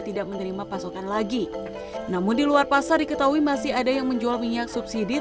tidak menerima pasokan lagi namun di luar pasar diketahui masih ada yang menjual minyak subsidi